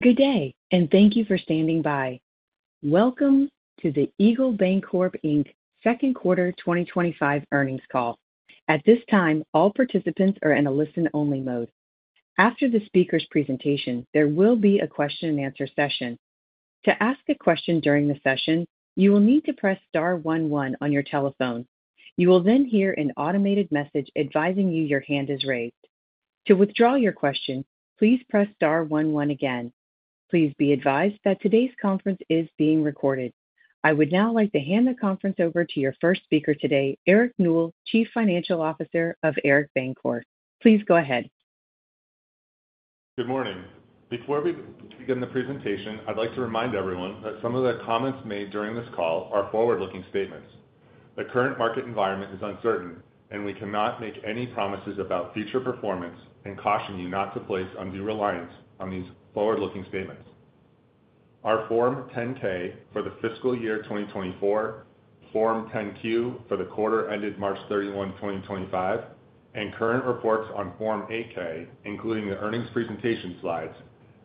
Good day, and thank you for standing by. Welcome to the Eagle Bancorp, Inc. second quarter 2025 earnings call. At this time, all participants are in a listen-only mode. After the speaker's presentation, there will be a question-and-answer session. To ask a question during the session, you will need to press star one one on your telephone. You will then hear an automated message advising you your hand is raised. To withdraw your question, please press star one one again. Please be advised that today's conference is being recorded. I would now like to hand the conference over to your first speaker today, Eric Newell, Chief Financial Officer of Eagle Bancorp. Please go ahead. Good morning. Before we begin the presentation, I'd like to remind everyone that some of the comments made during this call are forward-looking statements. The current market environment is uncertain, and we cannot make any promises about future performance and caution you not to place undue reliance on these forward-looking statements. Our Form 10-K for the fiscal year 2024, Form 10-Q for the quarter ended March 31, 2025, and current reports on Form 8-K, including the earnings presentation slides,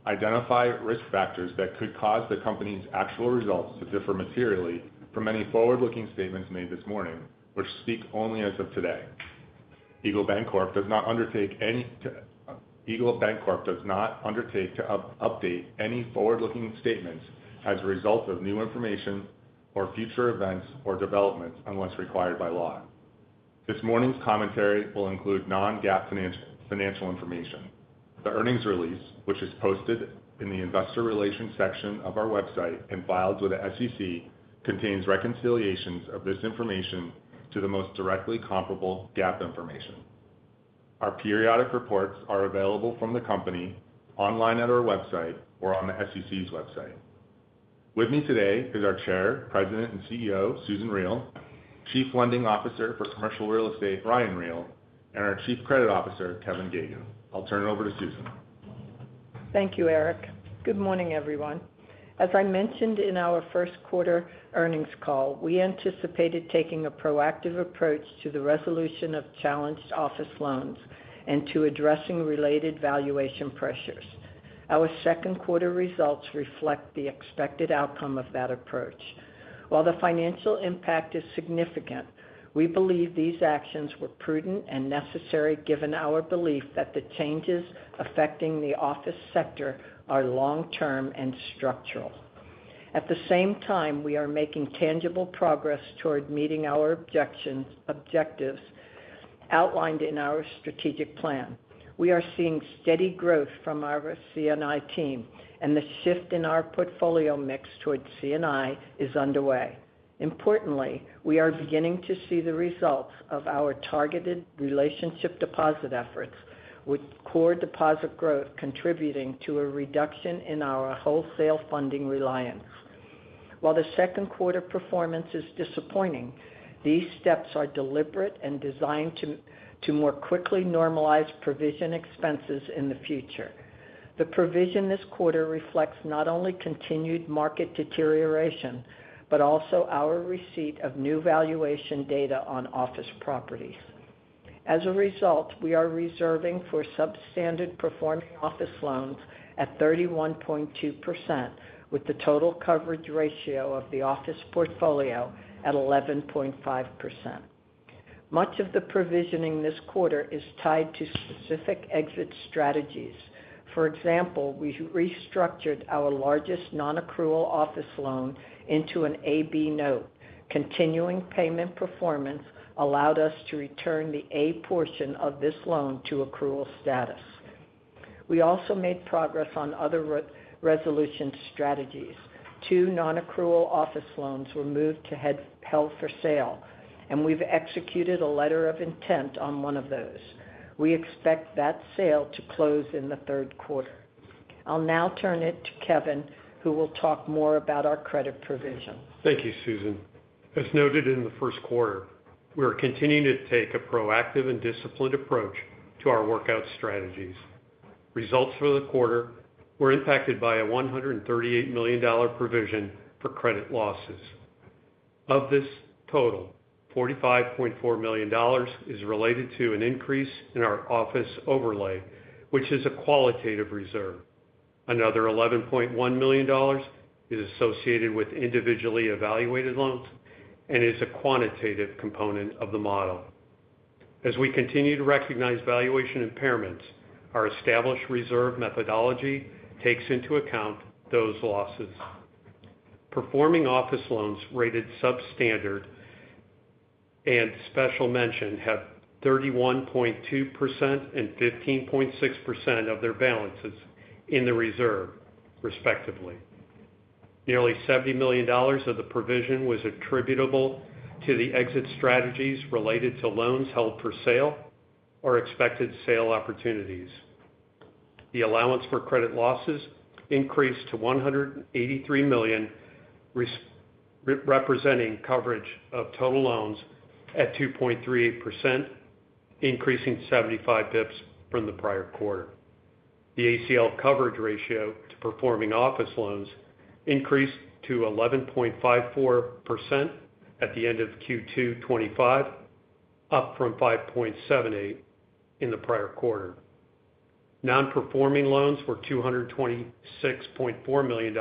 identify risk factors that could cause the company's actual results to differ materially from any forward-looking statements made this morning, which speak only as of today. Eagle Bancorp does not undertake to update any forward-looking statements as a result of new information or future events or developments unless required by law. This morning's commentary will include non-GAAP financial information. The earnings release, which is posted in the Investor Relations section of our website and filed with the SEC, contains reconciliations of this information to the most directly comparable GAAP information. Our periodic reports are available from the company online at our website or on the SEC's website. With me today is our Chair, President and CEO, Susan Riel, Chief Lending Officer for Commercial Real Estate, Ryan Riel, and our Chief Credit Officer, Kevin Geoghegan. I'll turn it over to Susan. Thank you, Eric. Good morning, everyone. As I mentioned in our first quarter earnings call, we anticipated taking a proactive approach to the resolution of challenged office loans and to addressing related valuation pressures. Our second quarter results reflect the expected outcome of that approach. While the financial impact is significant, we believe these actions were prudent and necessary given our belief that the changes affecting the office sector are long-term and structural. At the same time, we are making tangible progress toward meeting our objectives outlined in our strategic plan. We are seeing steady growth from our C&I team, and the shift in our portfolio mix towards C&I is underway. Importantly, we are beginning to see the results of our targeted relationship deposit efforts, with core deposit growth contributing to a reduction in our wholesale funding reliance. While the second quarter performance is disappointing, these steps are deliberate and designed to more quickly normalize provision expenses in the future. The provision this quarter reflects not only continued market deterioration but also our receipt of new valuation data on office properties. As a result, we are reserving for substandard-performing office loans at 31.2%, with the total coverage ratio of the office portfolio at 11.5%. Much of the provisioning this quarter is tied to specific exit strategies. For example, we restructured our largest non-accrual office loan into an A/B note. Continuing payment performance allowed us to return the A portion of this loan to accrual status. We also made progress on other resolution strategies. Two non-accrual office loans were moved to held-for-sale, and we've executed a letter of intent on one of those. We expect that sale to close in the third quarter. I'll now turn it to Kevin, who will talk more about our credit provision. Thank you, Susan. As noted in the first quarter, we are continuing to take a proactive and disciplined approach to our workout strategies. Results for the quarter were impacted by a $138 million provision for credit losses. Of this total, $45.4 million is related to an increase in our office overlay, which is a qualitative reserve. Another $11.1 million is associated with individually evaluated loans and is a quantitative component of the model. As we continue to recognize valuation impairments, our established reserve methodology takes into account those losses. Performing office loans rated substandard and special mention have 31.2% and 15.6% of their balances in the reserve, respectively. Nearly $70 million of the provision was attributable to the exit strategies related to loans held for sale or expected sale opportunities. The allowance for credit losses increased to $183 million, representing coverage of total loans at 2.38%, increasing 75 basis points from the prior quarter. The ACL coverage ratio to performing office loans increased to 11.54% at the end of Q2 2025, up from 5.78% in the prior quarter. Non-performing loans were $226.4 million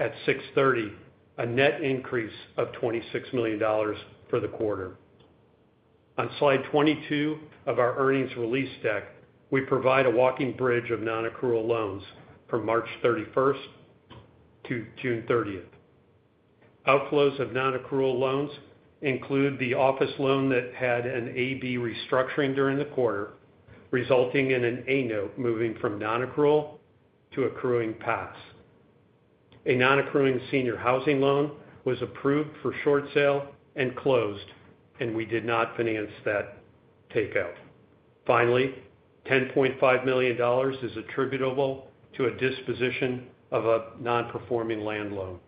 at 6/30, a net increase of $26 million for the quarter. On slide 22 of our earnings release deck, we provide a walking bridge of non-accrual loans from March 31-June 30. Outflows of non-accrual loans include the office loan that had an A/B restructuring during the quarter, resulting in an A note moving from non-accrual to accruing pass. A non-accruing senior housing loan was approved for short sale and closed, and we did not finance that takeout. Finally, $10.5 million is attributable to a disposition of a non-performing land loan.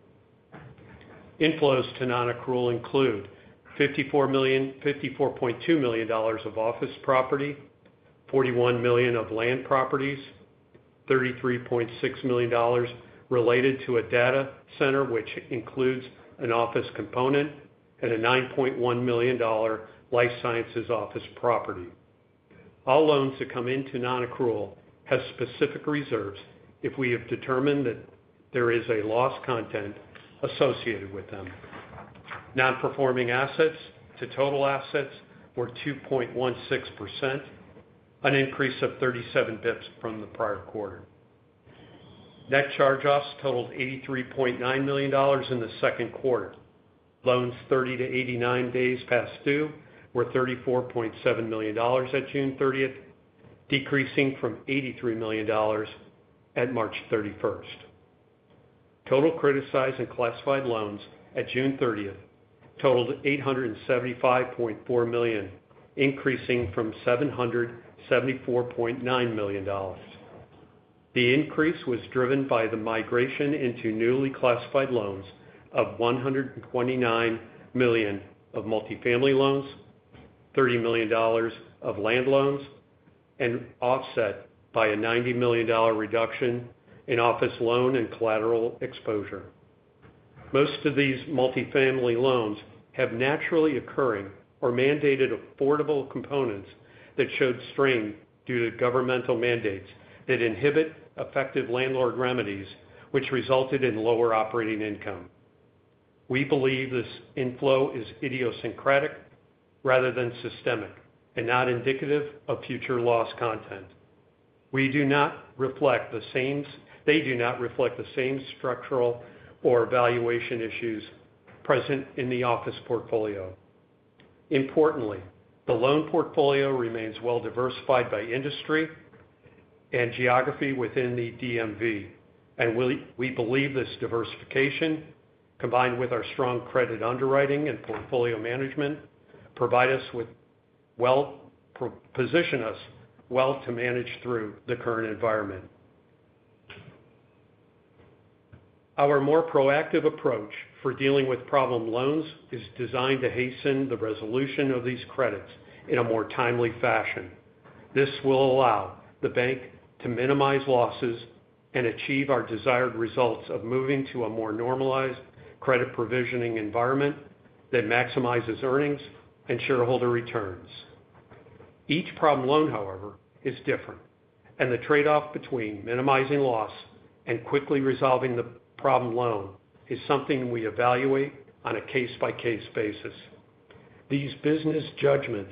Inflows to non-accrual include $54.2 million of office property, $41 million of land properties, $33.6 million related to a data center, which includes an office component, and a $9.1 million life sciences office property. All loans that come into non-accrual have specific reserves if we have determined that there is a loss content associated with them. Non-performing assets to total assets were 2.16%, an increase of 37 basis points from the prior quarter. Net charge-offs totaled $83.9 million in the second quarter. Loans 30-89 days past due were $34.7 million at June 30, decreasing from $83 million at March 31st. Total criticized and classified loans at June 30th totaled $875.4 million, increasing from $774.9 million. The increase was driven by the migration into newly classified loans of $129 million of multifamily loans, $30 million of land loans, and offset by a $90 million reduction in office loan and collateral exposure. Most of these multifamily loans have naturally occurring or mandated affordable components that showed strain due to governmental mandates that inhibit effective landlord remedies, which resulted in lower operating income. We believe this inflow is idiosyncratic rather than systemic and not indicative of future loss content. They do not reflect the same structural or valuation issues present in the office portfolio. Importantly, the loan portfolio remains well-diversified by industry and geography within the DMV, and we believe this diversification, combined with our strong credit underwriting and portfolio management, positions us well to manage through the current environment. Our more proactive approach for dealing with problem loans is designed to hasten the resolution of these credits in a more timely fashion. This will allow the bank to minimize losses and achieve our desired results of moving to a more normalized credit provisioning environment that maximizes earnings and shareholder returns. Each problem loan, however, is different, and the trade-off between minimizing loss and quickly resolving the problem loan is something we evaluate on a case-by-case basis. These business judgments,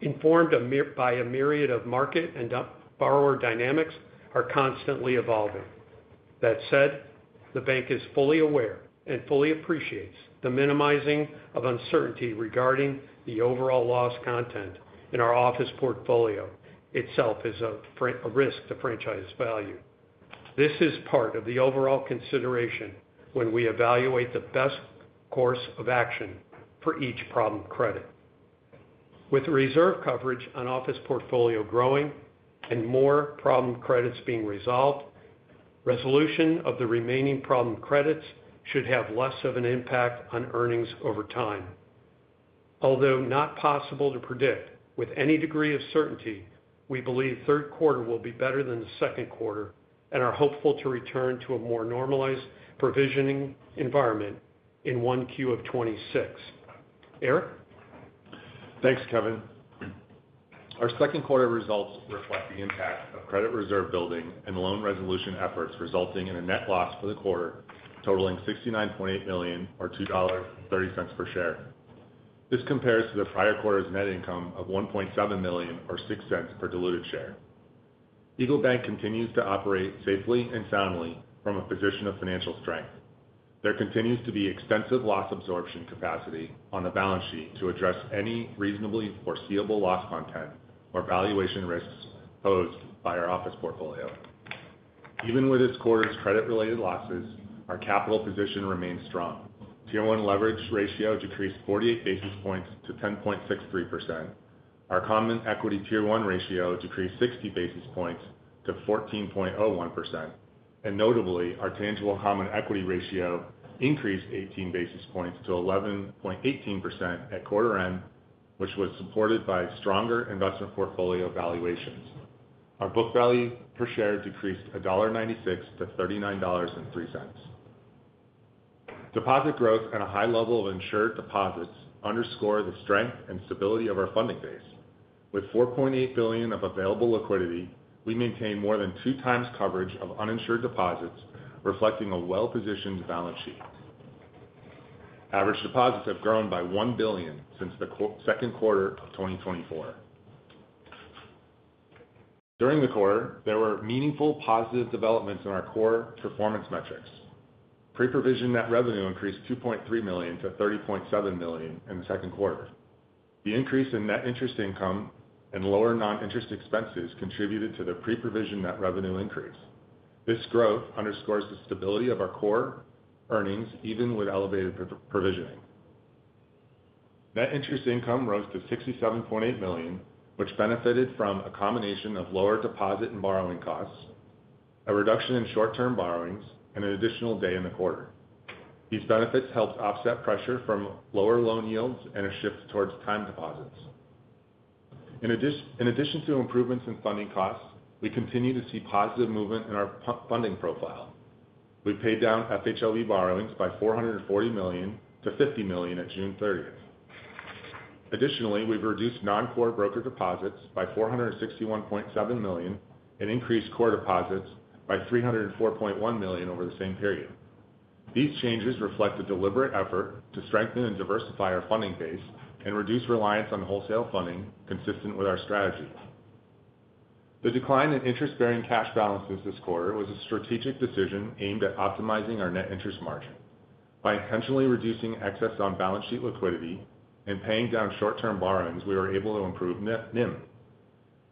informed by a myriad of market and borrower dynamics, are constantly evolving. That said, the bank is fully aware and fully appreciates the minimizing of uncertainty regarding the overall loss content in our office portfolio itself as a risk to franchise value. This is part of the overall consideration when we evaluate the best course of action for each problem credit. With reserve coverage on office portfolio growing and more problem credits being resolved, the resolution of the remaining problem credits should have less of an impact on earnings over time. Although not possible to predict with any degree of certainty, we believe the third quarter will be better than the second quarter and are hopeful to return to a more normalized provisioning environment in Q1 of 2026. Eric? Thanks, Kevin. Our second quarter results reflect the impact of credit reserve building and loan resolution efforts, resulting in a net loss for the quarter totaling $69.8 million or $2.30 per share. This compares to the prior quarter's net income of $1.7 million or $0.06 per diluted share. Eagle Banc continues to operate safely and soundly from a position of financial strength. There continues to be extensive loss absorption capacity on the balance sheet to address any reasonably foreseeable loss content or valuation risks posed by our office portfolio. Even with this quarter's credit-related losses, our capital position remains strong. Tier 1 leverage ratio decreased 48 basis points to 10.63%. Our common equity Tier 1 ratio decreased 60 basis points to 14.01%, and notably, our tangible common equity ratio increased 18 basis points to 11.18% at quarter end, which was supported by stronger investment portfolio valuations. Our book value per share decreased $1.96-$39.03. Deposit growth and a high level of insured deposits underscore the strength and stability of our funding base. With $4.8 billion of available liquidity, we maintain more than 2x coverage of uninsured deposits, reflecting a well-positioned balance sheet. Average deposits have grown by $1 billion since the second quarter of 2024. During the quarter, there were meaningful positive developments in our core performance metrics. Pre-provision net revenue increased $2.3 million-$30.7 million in the second quarter. The increase in net interest income and lower non-interest expenses contributed to the pre-provision net revenue increase. This growth underscores the stability of our core earnings, even with elevated provisioning. Net interest income rose to $67.8 million, which benefited from a combination of lower deposit and borrowing costs, a reduction in short-term borrowings, and an additional day in the quarter. These benefits helped offset pressure from lower loan yields and a shift towards time deposits. In addition to improvements in funding costs, we continue to see positive movement in our funding profile. We paid down FHLB borrowings by $440 million-$50 million at June 30th. Additionally, we've reduced non-core broker deposits by $461.7 million and increased core deposits by $304.1 million over the same period. These changes reflect a deliberate effort to strengthen and diversify our funding base and reduce reliance on wholesale funding, consistent with our strategy. The decline in interest-bearing cash balances this quarter was a strategic decision aimed at optimizing our net interest margin. By intentionally reducing excess on balance sheet liquidity and paying down short-term borrowings, we were able to improve NIM.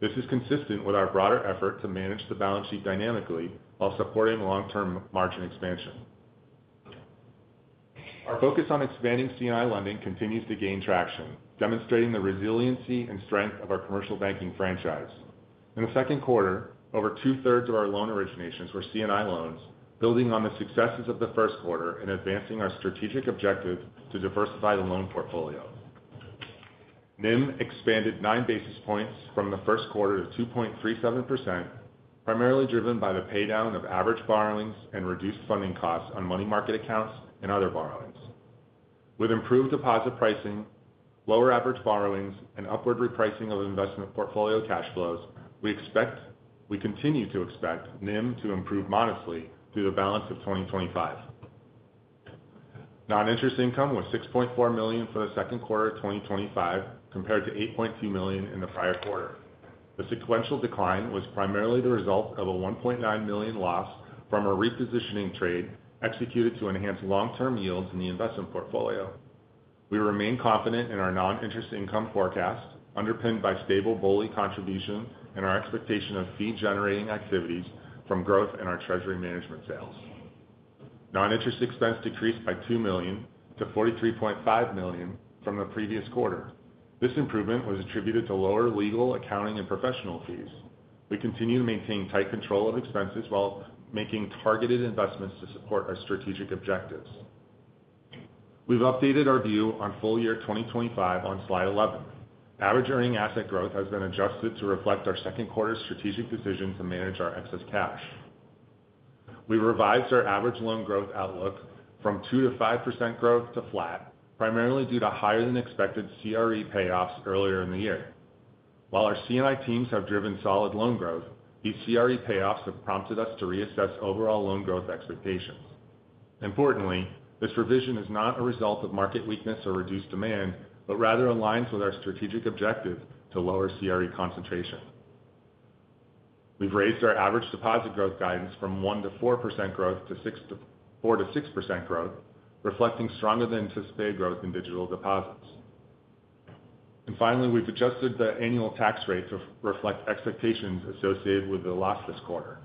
This is consistent with our broader effort to manage the balance sheet dynamically while supporting long-term margin expansion. Focus on expanding C&I lending continues to gain traction, demonstrating the resiliency and strength of our commercial banking franchise. In the second quarter, over 2/3 of our loan originations were C&I loans, building on the successes of the first quarter and advancing our strategic objective to diversify the loan portfolio. NIM expanded 9 basis points from the first quarter to 2.37%, primarily driven by the paydown of average borrowings and reduced funding costs on money market accounts and other borrowings. With improved deposit pricing, lower average borrowings, and upward repricing of investment portfolio cash flows, we continue to expect NIM to improve modestly through the balance of 2025. Non-interest income was $6.4 million for the second quarter of 2025, compared to $8.2 million in the prior quarter. The sequential decline was primarily the result of a $1.9 million loss from a repositioning trade executed to enhance long-term yields in the investment portfolio. We remain confident in our non-interest income forecast, underpinned by stable BOLI contribution and our expectation of fee-generating activities from growth in our treasury management sales. Non-interest expense decreased by $2 million-$43.5 million from the previous quarter. This improvement was attributed to lower legal, accounting, and professional fees. We continue to maintain tight control of expenses while making targeted investments to support our strategic objectives. We've updated our view on full year 2025 on slide 11. Average earning asset growth has been adjusted to reflect our second quarter's strategic decision to manage our excess cash. We've revised our average loan growth outlook from 2%-5% growth to flat, primarily due to higher than expected CRE payoffs earlier in the year. While our C&I teams have driven solid loan growth, these CRE payoffs have prompted us to reassess overall loan growth expectations. Importantly, this revision is not a result of market weakness or reduced demand, but rather aligns with our strategic objective to lower CRE concentration. We've raised our average deposit growth guidance from 1%-4% growth to 4%-6% growth, reflecting stronger than anticipated growth in digital deposits. Finally, we've adjusted the annual tax rate to reflect expectations associated with the loss this quarter.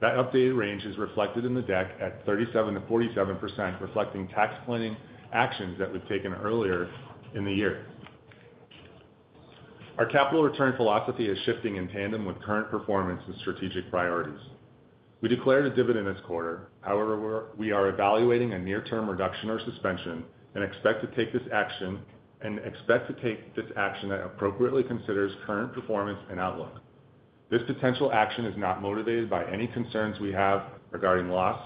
That updated range is reflected in the deck at 37%-47%, reflecting tax planning actions that we've taken earlier in the year. Our capital return philosophy is shifting in tandem with current performance and strategic priorities. We declared a dividend this quarter, however, we are evaluating a near-term reduction or suspension and expect to take this action that appropriately considers current performance and outlook. This potential action is not motivated by any concerns we have regarding loss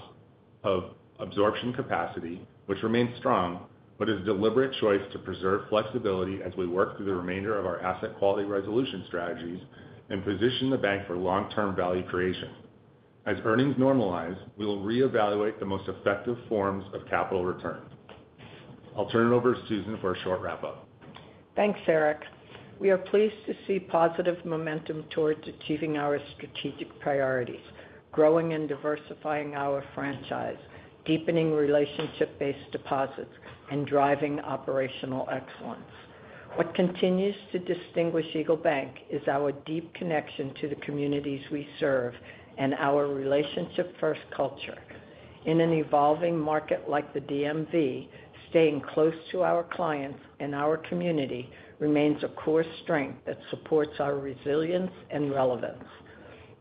absorption capacity, which remains strong, but is a deliberate choice to preserve flexibility as we work through the remainder of our asset quality resolution strategies and position the bank for long-term value creation. As earnings normalize, we will reevaluate the most effective forms of capital return. I'll turn it over to Susan for a short wrap-up. Thanks, Eric. We are pleased to see positive momentum towards achieving our strategic priorities, growing and diversifying our franchise, deepening relationship-based deposits, and driving operational excellence. What continues to distinguish Eagle Banc is our deep connection to the communities we serve and our relationship-first culture. In an evolving market like the DMV, staying close to our clients and our community remains a core strength that supports our resilience and relevance.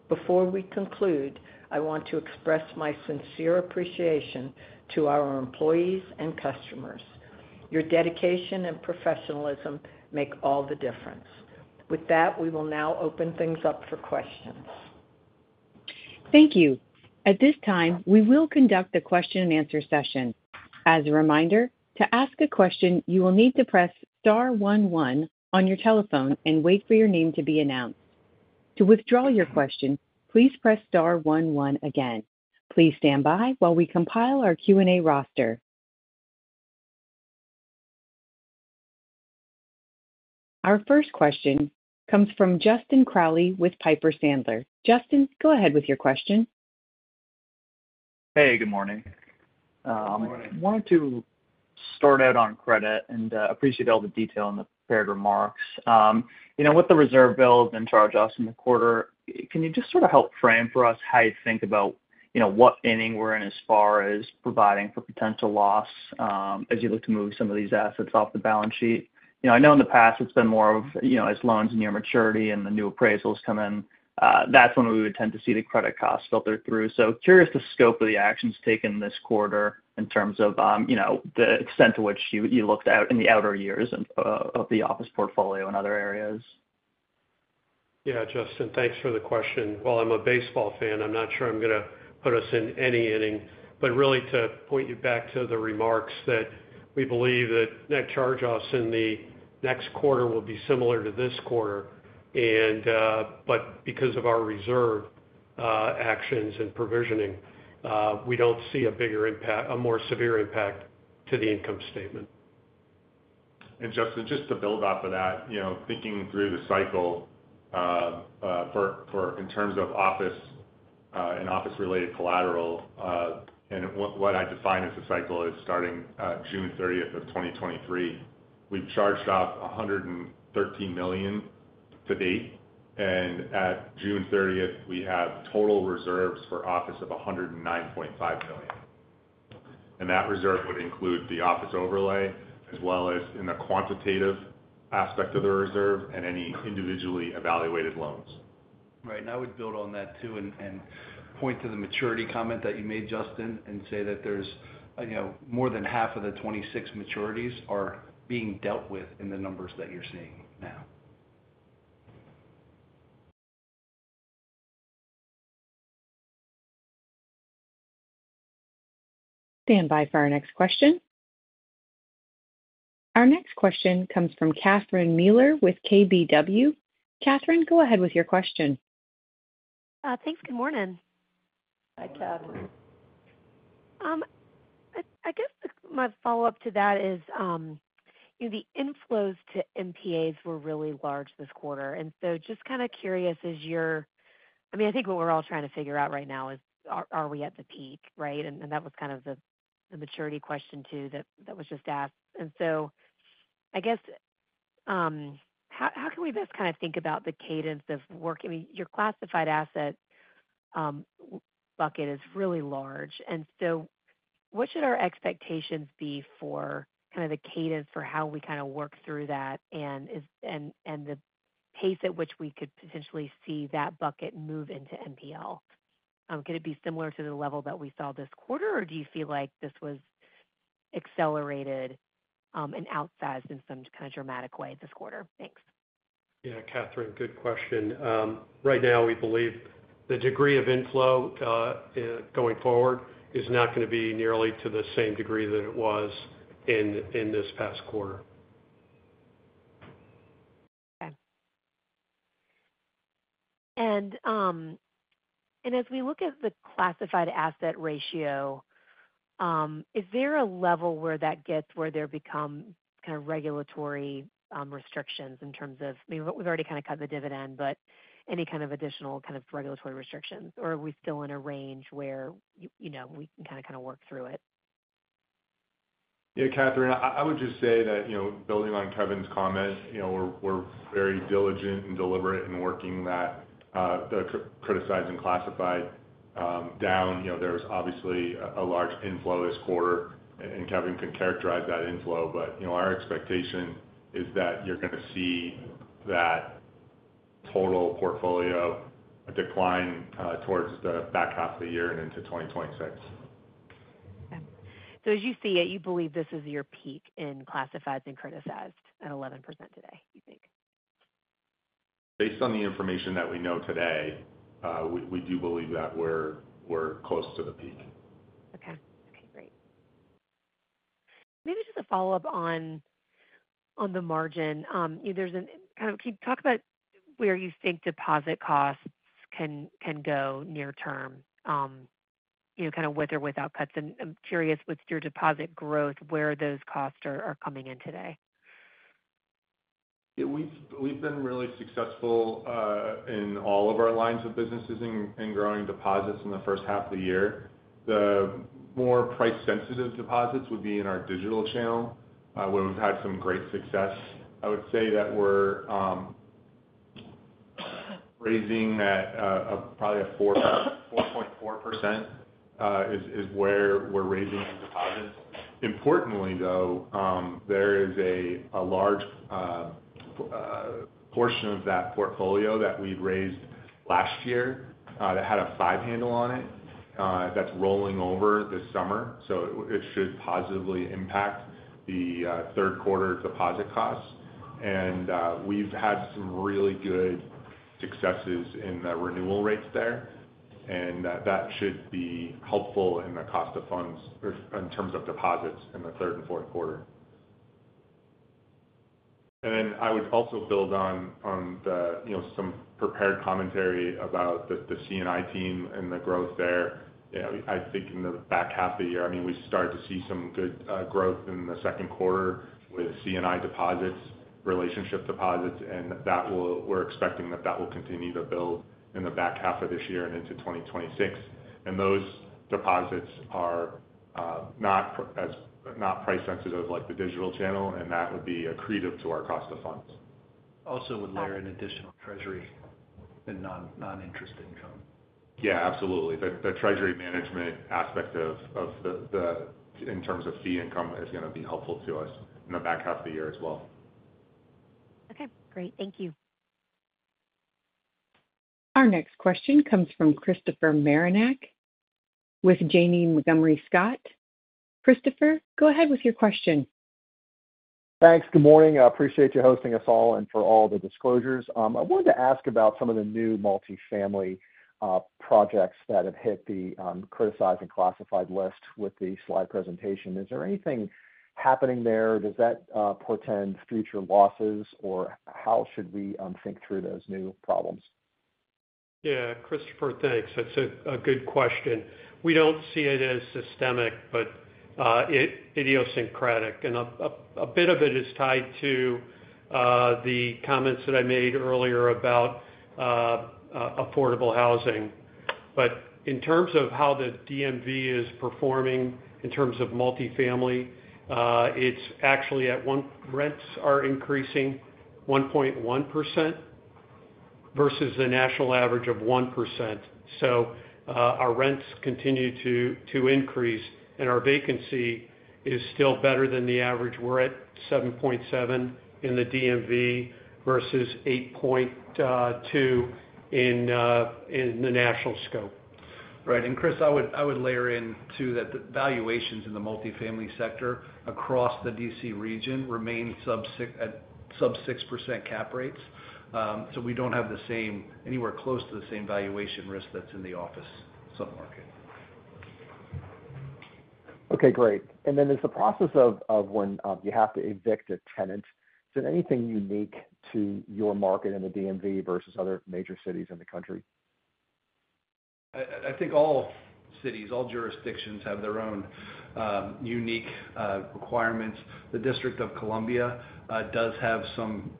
Before we conclude, I want to express my sincere appreciation to our employees and customers. Your dedication and professionalism make all the difference. With that, we will now open things up for questions. Thank you. At this time, we will conduct the question-and-answer session. As a reminder, to ask a question, you will need to press star one one on your telephone and wait for your name to be announced. To withdraw your question, please press star one one again. Please stand by while we compile our Q&A roster. Our first question comes from Justin Crowley with Piper Sandler. Justin, go ahead with your question. Hey, good morning. I wanted to start out on credit and appreciate all the detail in the prepared remarks. With the reserve bills and charge-offs in the quarter, can you just sort of help frame for us how you think about what ending we're in as far as providing for potential loss as you look to move some of these assets off the balance sheet? I know in the past it's been more of as loans near maturity and the new appraisals come in, that's when we would tend to see the credit costs filter through. Curious the scope of the actions taken this quarter in terms of the extent to which you looked out in the outer years of the office portfolio and other areas. Yeah, Justin, thanks for the question. While I'm a baseball fan, I'm not sure I'm going to put us in any inning, but really to point you back to the remarks that we believe that net charge-offs in the next quarter will be similar to this quarter. Because of our reserve actions and provisioning, we don't see a bigger impact, a more severe impact to the income statement. Justin, just to build off of that, thinking through the cycle, in terms of office and office-related collateral, what I define as a cycle is starting June 30th, 2023 we've charged out $113 million to date, and at June 30th, we have total reserves for office of $109.5 million. That reserve would include the office overlay, as well as the quantitative aspect of the reserve and any individually evaluated loans. Right, I would build on that too and point to the maturity comment that you made, Justin, and say that there's more than half of the 26 maturities are being dealt with in the numbers that you're seeing now. Stand by for our next question. Our next question comes from Catherine Mealor with KBW. Catherine, go ahead with your question. Thanks. Good morning. Hi, Catherine. I guess my follow-up to that is, you know, the inflows to NPAs were really large this quarter. I am just kind of curious, is your, I mean, I think what we're all trying to figure out right now is, are we at the peak, right? That was kind of the maturity question too that was just asked. I guess, how can we best kind of think about the cadence of work? I mean, your classified asset bucket is really large. What should our expectations be for kind of the cadence for how we kind of work through that and the pace at which we could potentially see that bucket move into NPL? Could it be similar to the level that we saw this quarter, or do you feel like this was accelerated and outsized in some kind of dramatic way this quarter? Thanks. Yeah, Catherine, good question. Right now, we believe the degree of inflow going forward is not going to be nearly to the same degree that it was in this past quarter. Okay. As we look at the classified asset ratio, is there a level where that gets where there become kind of regulatory restrictions in terms of, I mean, we've already kind of cut the dividend, but any kind of additional kind of regulatory restrictions, or are we still in a range where we can kind of work through it? Yeah, Catherine, I would just say that, you know, building on Kevin's comment, we're very diligent and deliberate in working that the criticized and classified down. There's obviously a large inflow this quarter, and Kevin can characterize that inflow, but our expectation is that you're going to see that total portfolio decline towards the back half of the year and into 2026. Okay. As you see it, you believe this is your peak in classifieds and criticized at 11% today, you think? Based on the information that we know today, we do believe that we're close to the peak. Okay, great. Maybe just a follow-up on the margin. You know, can you talk about where you think deposit costs can go near-term, you know, kind of with or without cuts? I'm curious, with your deposit growth, where those costs are coming in today? Yeah, we've been really successful in all of our lines of business in growing deposits in the first half of the year. The more price-sensitive deposits would be in our digital channel, where we've had some great success. I would say that we're raising that probably at 4.4% is where we're raising the deposits. Importantly, though, there is a large portion of that portfolio that we'd raised last year that had a five-handle on it that's rolling over this summer. It should positively impact the third quarter deposit costs. We've had some really good successes in the renewal rates there, and that should be helpful in the cost of funds in terms of deposits in the third and fourth quarter. I would also build on some prepared commentary about the C&I team and the growth there. I think in the back half of the year, we started to see some good growth in the second quarter with C&I deposits, relationship deposits, and we're expecting that will continue to build in the back half of this year and into 2026. Those deposits are not as price-sensitive like the digital channel, and that would be accretive to our cost of funds. Also, would layer in additional treasury and non-interest income. Yeah, absolutely. The treasury management aspect, in terms of fee income, is going to be helpful to us in the back half of the year as well. Okay, great. Thank you. Our next question comes from Christopher Marinac with Janney Montgomery Scott. Christopher, go ahead with your question. Thanks. Good morning. I appreciate you hosting us all and for all the disclosures. I wanted to ask about some of the new multifamily projects that have hit the criticized and classified list with the slide presentation. Is there anything happening there? Does that portend future losses, or how should we think through those new problems? Yeah, Christopher, thanks. That's a good question. We don't see it as systemic, but idiosyncratic. A bit of it is tied to the comments that I made earlier about affordable housing. In terms of how the DMV is performing in terms of multifamily, it's actually at 1%, rents are increasing 1.1% versus the national average of 1%. Our rents continue to increase, and our vacancy is still better than the average. We're at 7.7% in the DMV versus 8.2% in the national scope. Right. Chris, I would layer in too that the valuations in the multifamily sector across the DC region remain sub 6% cap rates. We don't have the same, anywhere close to the same valuation risk that's in the office sub-market. Okay, great. Is the process of when you have to evict a tenant, is it anything unique to your market in the DMV versus other major cities in the country? I think all cities, all jurisdictions have their own unique requirements. The District of Columbia does have some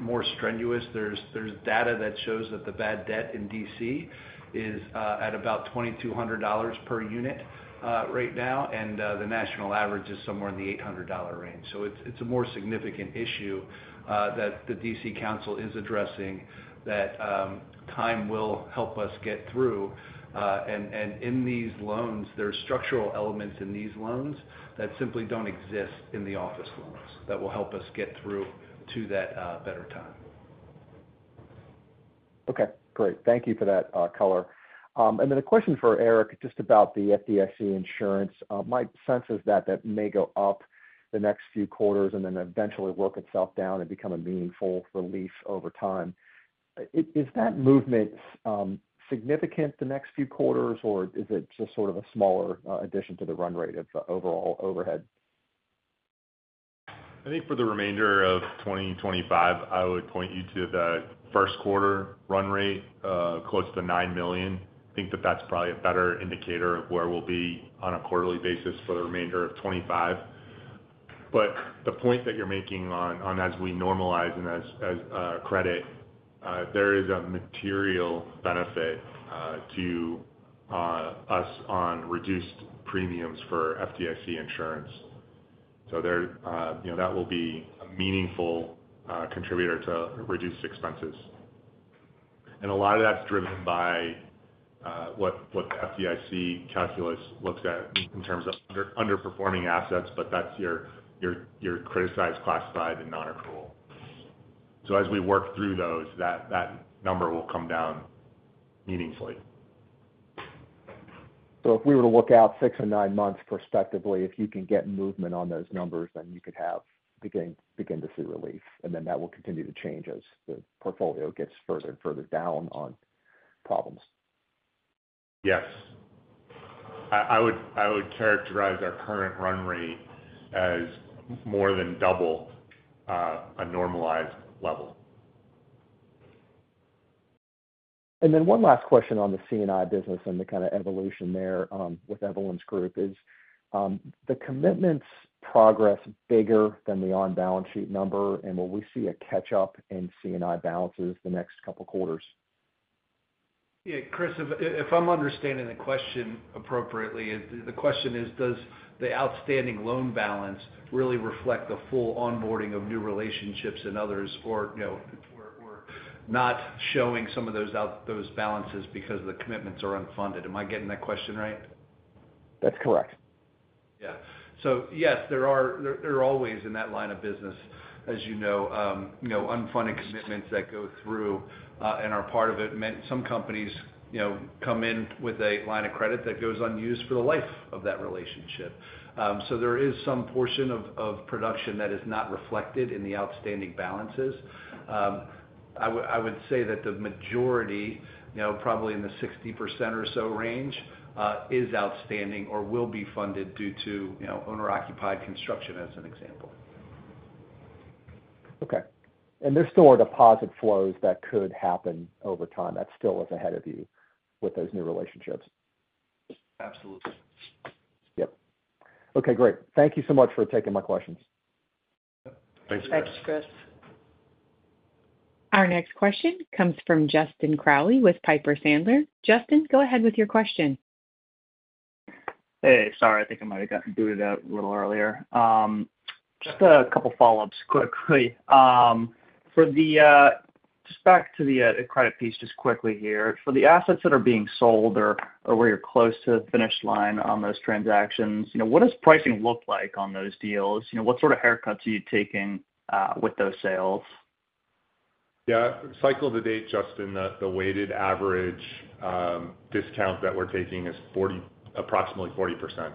more strenuous. There's data that shows that the bad debt in DC is at about $2,200 per unit right now, and the national average is somewhere in the $800 range. It is a more significant issue that the DC Council is addressing that time will help us get through. In these loans, there are structural elements in these loans that simply don't exist in the office loans that will help us get through to that better time. Okay, great. Thank you for that color. A question for Eric just about the FDIC insurance. My sense is that that may go up the next few quarters and then eventually work itself down and become a meaningful release over time. Is that movement significant the next few quarters, or is it just sort of a smaller addition to the run rate of the overall overhead? I think for the remainder of 2025, I would point you to the first quarter run rate close to $9 million. I think that that's probably a better indicator of where we'll be on a quarterly basis for the remainder of 2025. The point that you're making on as we normalize and as credit, there is a material benefit to us on reduced premiums for FDIC insurance. That will be a meaningful contributor to reduced expenses. A lot of that's driven by what the FDIC calculus looks at in terms of underperforming assets, but that's your criticized, classified, and non-accrual. As we work through those, that number will come down meaningfully. If we were to look out six or nine months perspectively, if you can get movement on those numbers, you could begin to see relief, and that will continue to change as the portfolio gets further and further down on problems. Yes, I would characterize our current run rate as more than double a normalized level. One last question on the C&I business and the kind of evolution there with Evelyn's group is, are the commitments progressing bigger than the on-balance sheet number, and will we see a catch-up in C&I balances the next couple of quarters? Yeah, Chris, if I'm understanding the question appropriately, the question is, does the outstanding loan balance really reflect the full onboarding of new relationships and others, or we're not showing some of those balances because the commitments are unfunded? Am I getting that question right? That's correct. Yes, there are always in that line of business, as you know, unfunded commitments that go through and are part of it. Some companies come in with a line of credit that goes unused for the life of that relationship. There is some portion of production that is not reflected in the outstanding balances. I would say that the majority, probably in the 60% or so range, is outstanding or will be funded due to owner-occupied construction as an example. There are still more deposit flows that could happen over time that still is ahead of you with those new relationships. Absolutely. Yep. Okay, great. Thank you so much for taking my questions. Thanks. Thanks, Chris. Our next question comes from Justin Crowley with Piper Sandler. Justin, go ahead with your question. Hey, sorry, I think I might have gotten booted out a little earlier. Just a couple of follow-ups quickly. For the, just back to the credit piece quickly here, for the assets that are being sold or where you're close to the finish line on those transactions, what does pricing look like on those deals? What sort of haircuts are you taking with those sales? Yeah, cycle to date, Justin, the weighted average discount that we're taking is approximately 40%.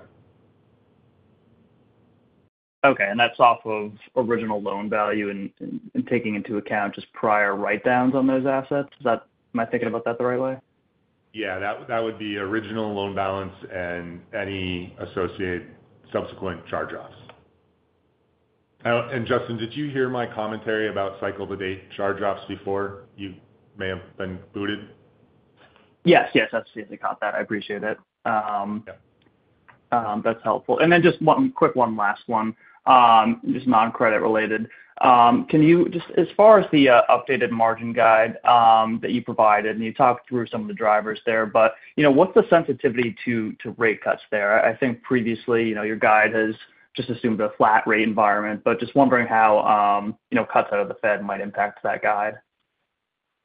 Okay. That is off of original loan value and taking into account just prior write-downs on those assets. Am I thinking about that the right way? That would be original loan balance and any associated subsequent charge-offs. Justin, did you hear my commentary about cycle-to-date charge-offs before you may have been booted? Yes, I've seen the comment. I appreciate it. That's helpful. Just one quick, one last one, just non-credit related. Can you, as far as the updated margin guide that you provided, and you talked through some of the drivers there, what's the sensitivity to rate cuts there? I think previously your guide has just assumed a flat rate environment, just wondering how cuts out of the Fed might impact that guide.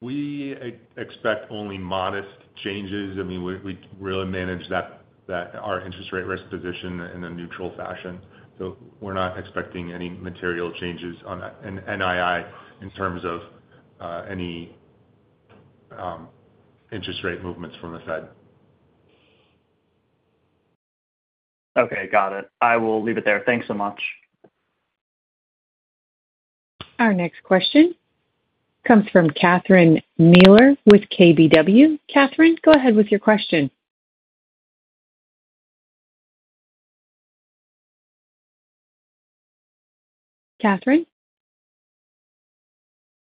We expect only modest changes. We really manage our interest rate risk position in a neutral fashion, so we're not expecting any material changes on NII in terms of any interest rate movements from the Fed. Okay, got it. I'll leave it there. Thanks so much. Our next question comes from Catherine Mealor with KBW. Catherine, go ahead with your question. Catherine?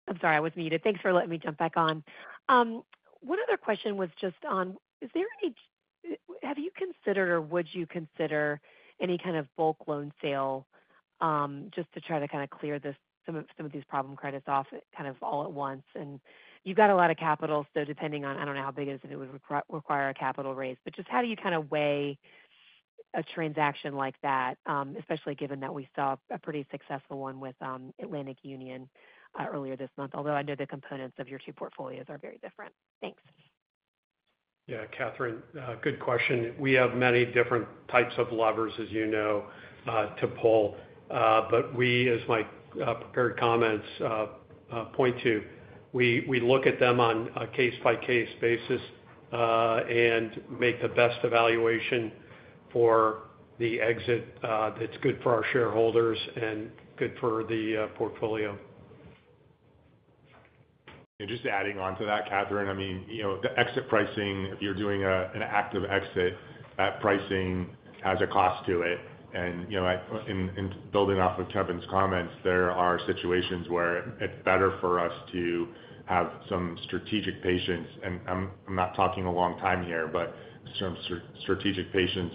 I'm sorry, I was muted. Thanks for letting me jump back on. One other question was just on, is there any, have you considered or would you consider any kind of bulk loan sale just to try to kind of clear some of these problem credits off all at once? You've got a lot of capital, so depending on, I don't know how big it is that it would require a capital raise, just how do you weigh a transaction like that, especially given that we saw a pretty successful one with Atlantic Union earlier this month? I know the components of your two portfolios are very different. Thanks. Yeah, Catherine, good question. We have many different types of levers, as you know, to pull. As my prepared comments point to, we look at them on a case-by-case basis and make the best evaluation for the exit that's good for our shareholders and good for the portfolio. Just adding on to that, Catherine, the exit pricing, if you're doing an active exit, that pricing has a cost to it. In building off of Kevin's comments, there are situations where it's better for us to have some strategic patience. I'm not talking a long time here, but some strategic patience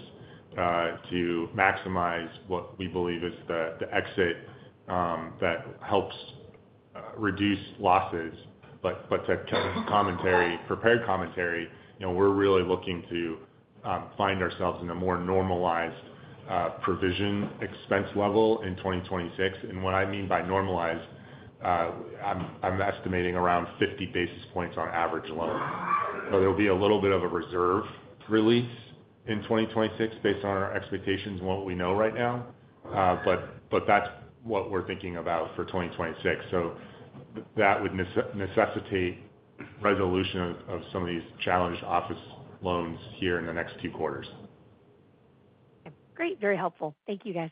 to maximize what we believe is the exit that helps reduce losses. To prepare commentary, we're really looking to find ourselves in a more normalized provision expense level in 2026. What I mean by normalized, I'm estimating around 50 basis points on average loan. There will be a little bit of a reserve release in 2026 based on our expectations and what we know right now. That's what we're thinking about for 2026. That would necessitate resolution of some of these challenged office loans here in the next two quarters. Great, very helpful. Thank you, guys.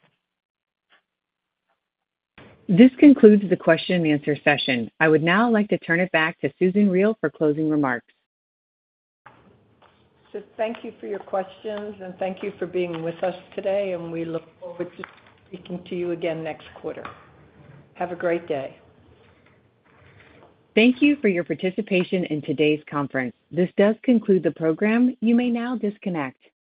This concludes the question-and-answer session. I would now like to turn it back to Susan Riel for closing remarks. Thank you for your questions, and thank you for being with us today. We look forward to speaking to you again next quarter. Have a great day. Thank you for your participation in today's conference. This does conclude the program. You may now disconnect.